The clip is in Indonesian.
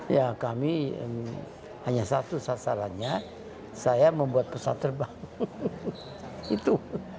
ya kami hanya satu sasarannya saya membuat pesawat terbang itu